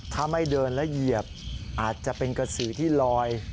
ถ้าไม่เดินแล้วเหยียบอาจจะเป็นกระสือที่ลอย